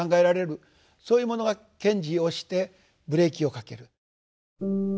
そういうものが賢治をしてブレーキをかける。